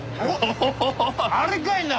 あれかいな！？